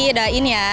udah in ya